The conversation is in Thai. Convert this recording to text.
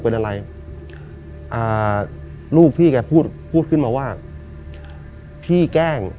เป็นอะไรอ่าลูกพี่แกพูดพูดขึ้นมาว่าพี่แกล้ง